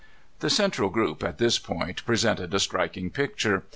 The central group, at this point, presented a striking picture.